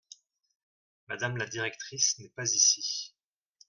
Madame la directrice n’est pas ici.